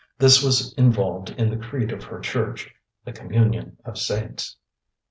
This was involved in the creed of her Church the Communion of Saints.